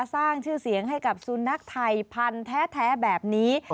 สร้างชื่อเสียงให้กับสุนัขไทยพันธุ์แท้แบบนี้